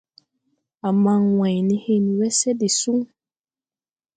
A man wāy ne hen wese de sun.